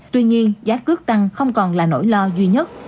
tuy nhiên giá cước tăng không còn là nỗi lo duy nhất